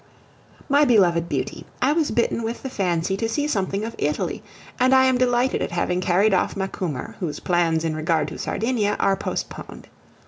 My beloved beauty, I was bitten with the fancy to see something of Italy, and I am delighted at having carried off Macumer, whose plans in regard to Sardinia are postponed.